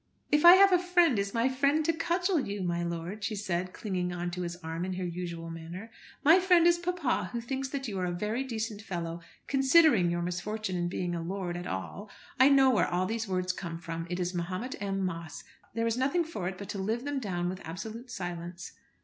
"If I have a friend, is my friend to cudgel you, my lord?" she said, clinging on to his arm in her usual manner. "My friend is papa, who thinks that you are a very decent fellow, considering your misfortune in being a lord at all. I know where all these words come from; it is Mahomet M. Moss. There is nothing for it but to live them down with absolute silence."